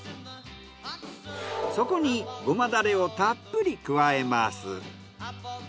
そこにゴマだれをたっぷり加えます。